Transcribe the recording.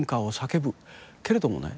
けれどもね